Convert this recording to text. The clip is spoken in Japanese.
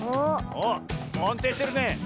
あっあんていしてるね。